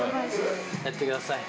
やってください。